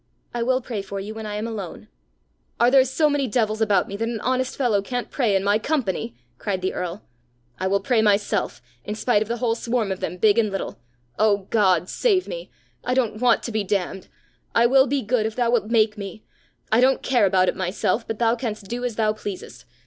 I will pray for you when I am alone." "Are there so many devils about me that an honest fellow can't pray in my company?" cried the earl. "I will pray myself, in spite of the whole swarm of them, big and little! O God, save me! I don't want to be damned. I will be good if thou wilt make me. I don't care about it myself, but thou canst do as thou pleasest.